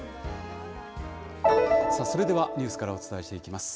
それではニュースからお伝えしていきます。